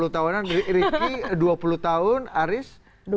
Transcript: dua puluh tahunan rifki dua puluh tahun aris dua puluh tiga